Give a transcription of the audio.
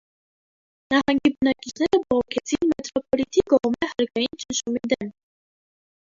Նահանգի բնակիչները բողոքեցին մեթրոփոլիթի կողմէ հարկային ճնշումի դէմ։